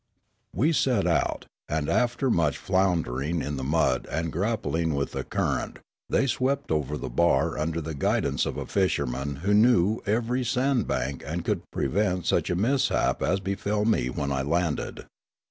We set out, and after much floundering in the mud and grappling with the current they swept over the bar under the guidance of a fisherman who knew every sand bank and could prevent such a mishap as befell me when I landed.